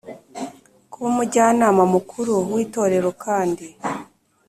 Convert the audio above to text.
Kuba umujyanama mukuru w itorero kandi